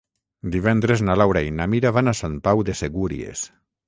Divendres na Laura i na Mira van a Sant Pau de Segúries.